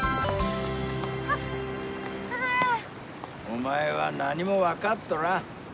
お前は何も分かっとらん。